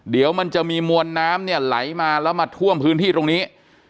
เดี๋ยวมันจะมีมวลน้ำเนี่ยไหลมาแล้วมาท่วมพื้นที่ตรงนี้